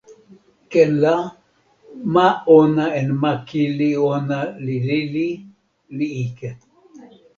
ken la, ma ona en ma kili ona li lili, li ike.